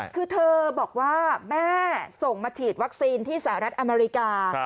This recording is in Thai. คือเธอบอกว่าแม่ส่งมาฉีดวัคซีนที่สหรัฐอเมริกา